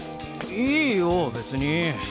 いいよ別に。